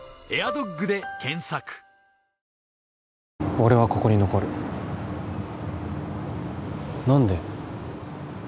俺はここに残る何で？